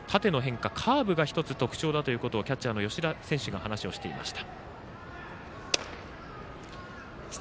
縦の変化、カーブが特徴だということをキャッチャーの吉田選手が話をしていました。